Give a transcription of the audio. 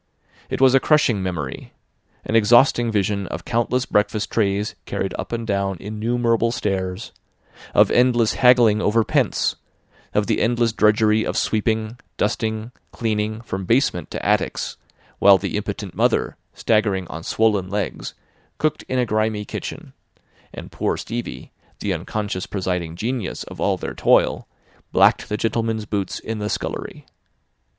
It was a crushing memory, an exhausting vision of countless breakfast trays carried up and down innumerable stairs, of endless haggling over pence, of the endless drudgery of sweeping, dusting, cleaning, from basement to attics; while the impotent mother, staggering on swollen legs, cooked in a grimy kitchen, and poor Stevie, the unconscious presiding genius of all their toil, blacked the gentlemen's boots in the scullery.